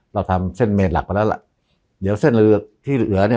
เราทำเส้นเมนหลักไปแล้วล่ะเดี๋ยวเส้นเรือที่เหลือเนี่ย